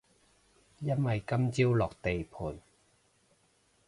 因為今朝落地盤